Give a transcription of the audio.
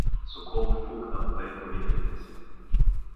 Соколов фукнал пред гонителите си.